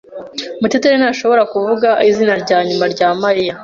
Muteteri ntashobora kuvuga izina rya nyuma rya Mariya.